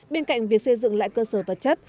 bên cạnh việc xây dựng lại cơ sở vật chất